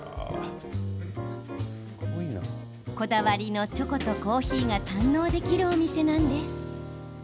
こだわりのチョコとコーヒーが堪能できるお店なんです。